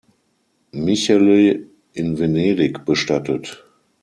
Michele“ in Venedig bestattet.